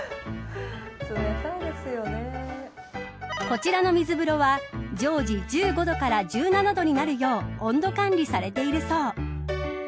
こちらの水風呂は常時１５度から１７度になるよう温度管理されているそう。